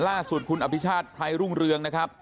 ล่าสุดคุณอภิชาติไพรรุ่งเรืองนะครับ